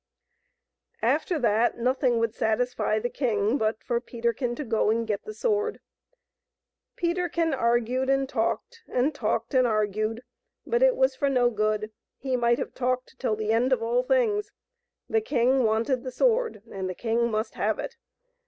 After that nothing would satisfy the king but for Peterkin to go and get the sword. Peterkin argued and talked, and talked and argued, but it was for no good ; he might have talked till the end of all things. The king wanted the sword, and the king must have it.